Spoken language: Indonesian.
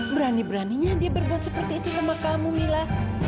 berani beraninya dia berbuat seperti itu sama kamu mila